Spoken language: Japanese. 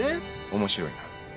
面白いな。